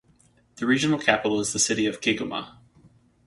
The regional capital is the city of Kigoma.